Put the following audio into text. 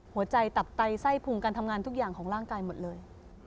หัวใจตับไตไส้พุงการทำงานทุกอย่างของร่างกายหมดเลย